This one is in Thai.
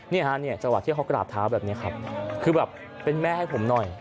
นี่ฮะเนี่ยจังหวะที่เขากราบเท้าแบบนี้ครับคือแบบเป็นแม่ให้ผมหน่อย